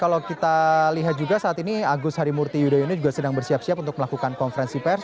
kalau kita lihat juga saat ini agus harimurti yudhoyono juga sedang bersiap siap untuk melakukan konferensi pers